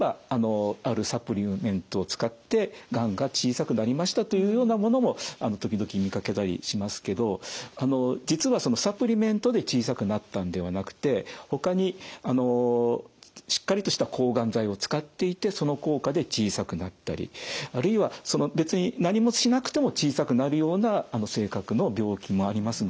そのほかにはですね例えばというようなものも時々見かけたりしますけど実はそのサプリメントで小さくなったんではなくてほかにしっかりとした抗がん剤を使っていてその効果で小さくなったりあるいは別に何もしなくても小さくなるような性格の病気もありますので。